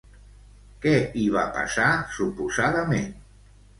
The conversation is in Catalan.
Què hi va passar, suposadament?